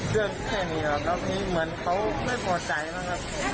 เรื่องแค่นี้เหรอก็พี่เหมือนเขาไม่พอใจมากครับ